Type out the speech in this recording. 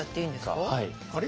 あれ？